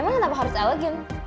emang kenapa harus elegant